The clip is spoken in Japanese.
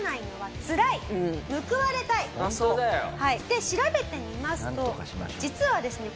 で調べてみますと実はですね